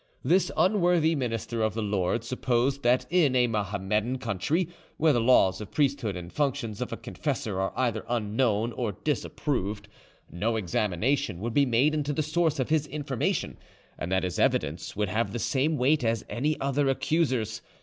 This unworthy minister of the Lord supposed that in a Mahommedan country, where the laws of the priesthood and the functions of a confessor are either unknown or disapproved, no examination would be made into the source of his information, and that his evidence would have the same weight as any other accuser's.